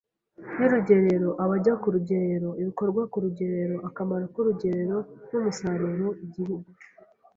y’urugerero, abajya ku rugerero, ibikorwa ku rugerero, akamaro ku rugerero n’umusaruro Igihugu